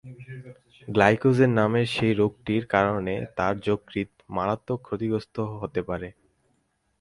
Glycogen নামের সেই রোগটির কারণে তার যকৃৎ মারাত্মক ক্ষতিগ্রস্ত হতে পারে।